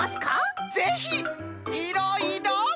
ぜひいろいろ。